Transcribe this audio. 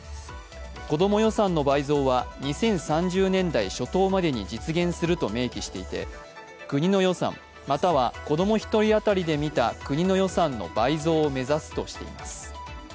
こども予算の倍増は２０３０年代初頭までに実現すると明記していて国の予算、または子供１人当たりで見た国の予算の倍増を目指すとしています。